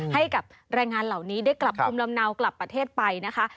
ให้กับแรงงานเหล่านี้ได้กลับภูมิลำเนากลับประเทศไปนะคะ